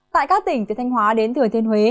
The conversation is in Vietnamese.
tại các tỉnh từ thanh hóa đến thừa thiên huế